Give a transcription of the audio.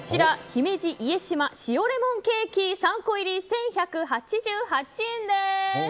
姫路家島塩レモンケーキ３個入、１１８８円です。